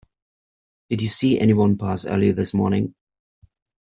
Did you see anyone pass early this morning?